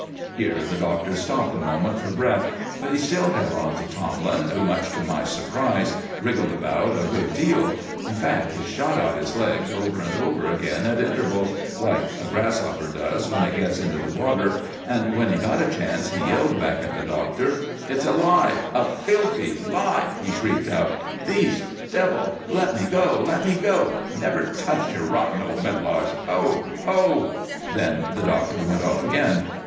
Here the Doctor stopped a moment for breath, but he still held on to Tomlin, who, much to my surprise, wriggled about a good deal. In fact, he shot out his legs over and over again at intervals, like a grasshopper does when it gets into the water; and when he got a chance he yelled back at the Doctor: "It's a lie a filthy lie!" he shrieked out. "Beast devil! Let me go! Let me go! I never touched your rotten old medlars oh! oh!" Then the Doctor went off again.